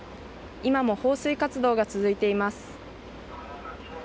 今も放水活動が続いています。